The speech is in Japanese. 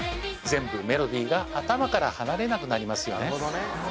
全部メロディが頭から離れなくなりますよね